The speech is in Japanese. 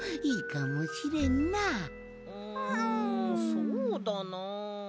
そうだな。